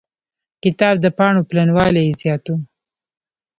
کتاب د پاڼو پلنوالی يې زيات و.